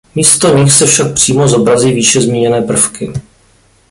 Místo nich se však přímo zobrazí výše zmíněné prvky.